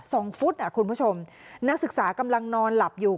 ฟุตอ่ะคุณผู้ชมนักศึกษากำลังนอนหลับอยู่